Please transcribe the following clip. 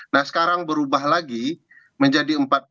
nah sekarang berubah lagi menjadi empat puluh